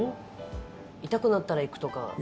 痛くなったら行くとか？